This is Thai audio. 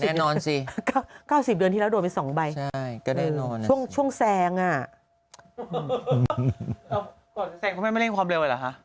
๙๐เดือนที่แล้วโดนไป๒ใบช่วงแซงอ่ะแซงคุณแม่ไม่เล่นความเร็วอ่ะหรือคะ